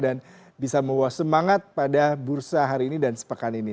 dan bisa membawa semangat pada bursa hari ini dan sepekan ini